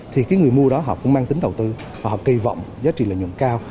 thì cái người mua đó họ cũng mang tính đầu tư họ kỳ vọng giá trị lợi nhuận cao